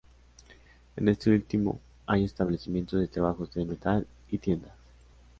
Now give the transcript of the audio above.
En este último hay establecimientos de trabajos de metal y tiendas.